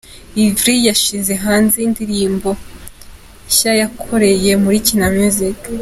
Yverry yashyize hanze indirimbo nshya yakoreye muri Kina Music.